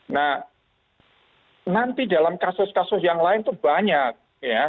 nah nanti dalam kasus kasus yang lain itu banyak ya